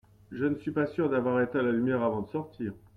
Je ne suis pas sûr d’avoir éteint la lumière avant de sortir.